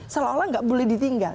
seolah olah nggak boleh ditinggal